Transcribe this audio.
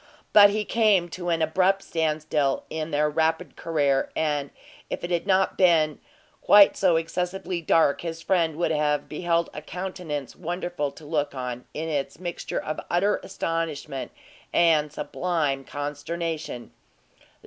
But he came to an abrupt stand still in their rapid career; and if it had not been quite so excessively dark, his friend would have beheld a countenance wonderful to look on, in its mixture of utter astonishment and sublime consternation.